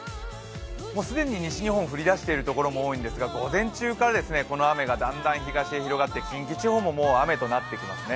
もう既に西日本、降りだしているところも多いんですが午前中からこの雨がだんだん東へ広がって近畿地方ももう雨となってきますね